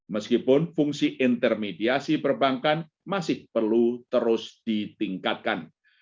meskipun fungsi intermediasi perbankan masih perlu terus ditingkatkan